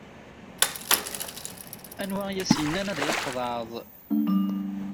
Anwa is-yennan ad iyi-txedɛeḍ?